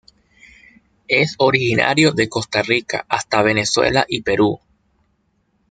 Es originario de Costa Rica hasta Venezuela y Perú.